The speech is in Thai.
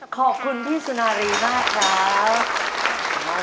ขอบคุณที่สุณารีมากร้าว